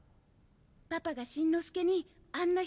パパがしんのすけにあんな